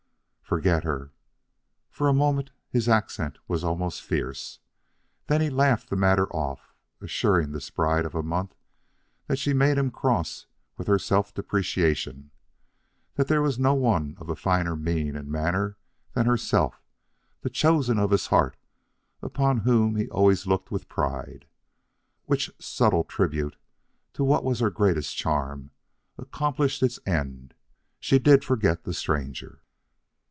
"Forget her." For a moment his accent was almost fierce, then he laughed the matter off, assuring this bride of a month that she made him cross with her self depreciation, that there was no one of finer mien and manner than herself, the chosen of his heart upon whom he always looked with pride. Which subtle tribute to what was her greatest charm accomplished its end; she did forget the stranger.